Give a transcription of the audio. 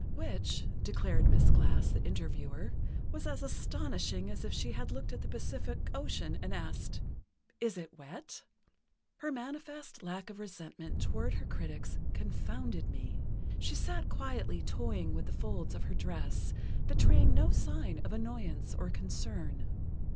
Which, declared Miss Glass, the interviewer, was as astonishing as if she had looked at the Pacific Ocean and asked: "Is it wet?" "Her manifest lack of resentment toward her critics confounded me.... She sat quietly toying with the folds of her dress, betraying no sign of annoyance or concern."